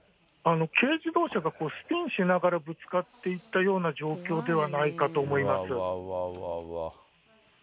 軽自動車がスピンしながらぶつかっていったような状況ではなうわうわうわ。